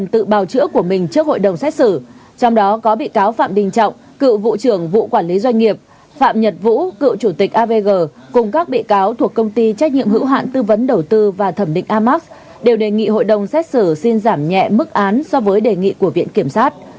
trong đó có bị cáo phạm đình trọng cựu vụ trưởng vụ quản lý doanh nghiệp phạm nhật vũ cựu chủ tịch avg cùng các bị cáo thuộc công ty trách nhiệm hữu hạn tư vấn đầu tư và thẩm định amax đều đề nghị hội đồng xét xử xin giảm nhẹ mức án so với đề nghị của viện kiểm sát